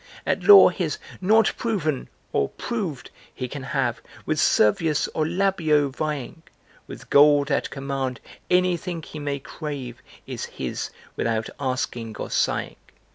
At law, his "not proven," or "proved," he can have With Servius or Labeo vieing; With gold at command anything he may crave Is his without asking or sighing.